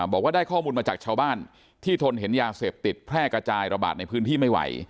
บอกว่าได้ข้อมูลมาจากชาวบ้านที่ทนเห็นยาเสพติดแพร่กระจายระบาดในพื้นที่ไม่ไหว